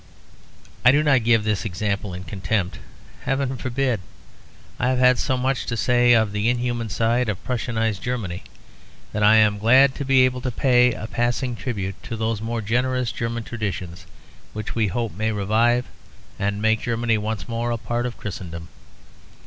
I do not give this example in contempt; heaven forbid. I have had so much to say of the inhuman side of Prussianised Germany that I am glad to be able to pay a passing tribute to those more generous German traditions which we hope may revive and make Germany once more a part of Christendom.